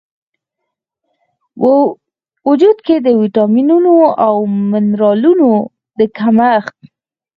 و وجود کې د ویټامینونو او منرالونو د کمښت